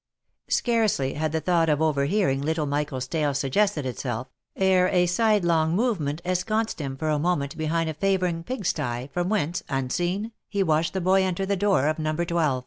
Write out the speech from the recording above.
Scarcely had the thought of overhearing little Michael's tale sug gested itself, ere a sidelong movement ensconced him for a moment behind a favouring pig sty, from whence, unseen, he watched the boy enter the door of No. 12.